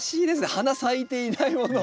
花咲いていないものを。